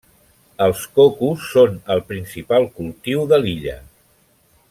Els cocos són el principal cultiu de l'illa.